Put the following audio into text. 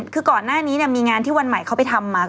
คือก่อนหน้านี้มีงานที่วันใหม่เขาไปทำมา